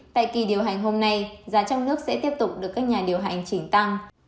tại kỳ điều hành hôm nay giá trong nước sẽ tiếp tục được các nhà điều hành chỉnh tăng